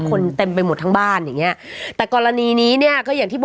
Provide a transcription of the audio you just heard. คนเต็มไปหมดทั้งบ้านอย่างนี้